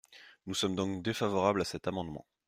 Nous sommes donc défavorables à cet amendement.